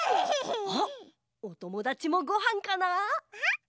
あおともだちもごはんかな？